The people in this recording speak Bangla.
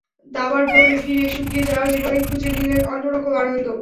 দাবার বোর্ডে ফিরে শুকিয়ে যাওয়া জীবনে খুঁজে নিলেন অন্য রকম আনন্দ।